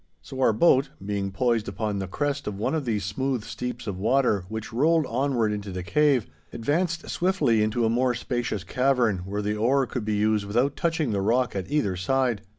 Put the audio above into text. So our boat, being poised upon the crest of one of these smooth steeps of water which rolled onward into the cave, advanced swiftly into a more spacious cavern, where the oar could be used without touching the rock at either side.